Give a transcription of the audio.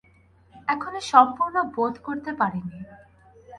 এখনো সম্পূর্ণ বোধ করতে পারি নি।